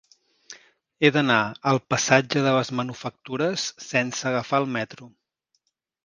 He d'anar al passatge de les Manufactures sense agafar el metro.